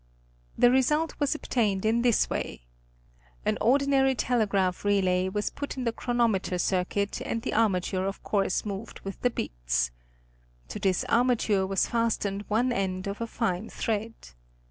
'The result was obtained in this way ; an ordinary telegraph relay was put in the chronometer circuit and the armature of course moved with the beats. To this armature was fastened one end of a fine thread.